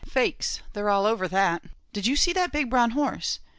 "Faix, they're all over that did you see that big brown horse?